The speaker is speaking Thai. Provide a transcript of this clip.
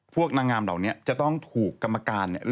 พวกนางงามเหล่านี้จะต้องถูกกรรมการเนี่ย